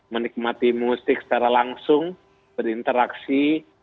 menikmati musik secara langsung berinteraksi